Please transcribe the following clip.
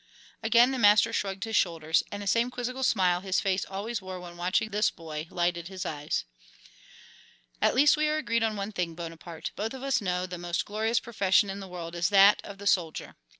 Again the master shrugged his shoulders, and the same quizzical smile his face always wore when watching this boy lighted his eyes. "At least we are agreed on one thing, Bonaparte; we both of us know the most glorious profession in the world is that of the soldier.